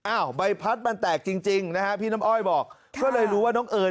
อ้าวใบพัดมาแตกจริงนะพี่น้ำอ้อยบอกก็ได้รู้ว่าน้องเอิญ